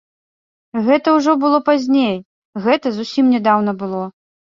Гэта ўжо было пазней, гэта зусім нядаўна было.